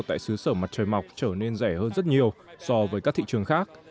tại xứ sở mặt trời mọc trở nên rẻ hơn rất nhiều so với các thị trường khác